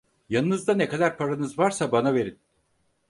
Yanınızda ne kadar paranız varsa bana verin!